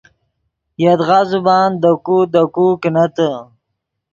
یدغا زبان دے کو دے کو کینتے